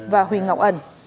và huỳnh ngọc ẩn